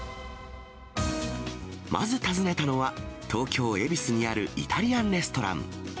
まず訪ねたのは、東京・恵比寿にあるイタリアンレストラン。